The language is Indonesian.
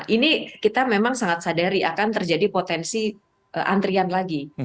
ini kita memang sangat sadari akan terjadi potensi antrian lagi